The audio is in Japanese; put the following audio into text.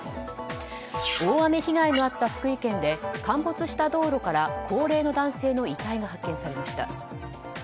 大雨被害のあった福井県で陥没した道路から高齢の男性の遺体が発見されました。